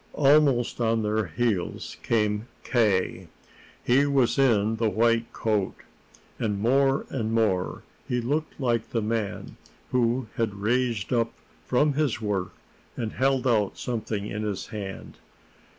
Almost on their heels came K. He was in the white coat, and more and more he looked like the man who had raised up from his work and held out something in his hand.